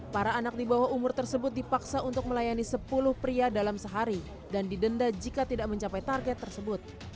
para anak di bawah umur tersebut dipaksa untuk melayani sepuluh pria dalam sehari dan didenda jika tidak mencapai target tersebut